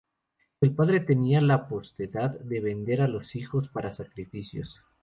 El padre tenía la potestad de vender a los hijos para sacrificios.